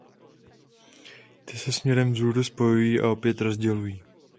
Ty se směrem vzhůru spojují a opět rozdělují.